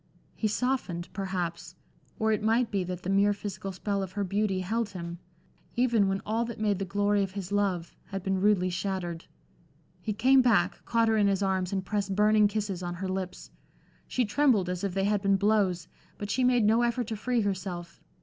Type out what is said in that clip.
He softened, perhaps, or it might be that the mere physical spell of her beauty held him, even when all that made the glory of his love, had been rudely shattered. He came back, caught her in his arms, and pressed burning kisses on her lips. She trembled as if they had been blows, but she made no effort to free herself.